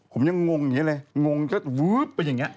ผมยังงงอย่างนี้เลยงงก็วึ๊บไปอย่างนี้